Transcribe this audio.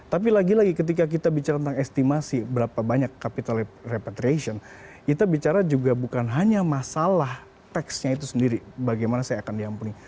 tapi lagi lagi ketika kita bicara tentang estimasi berapa banyak capital repatriation kita bicara juga bukan hanya masalah tax nya itu sendiri bagaimana saya akan diampuni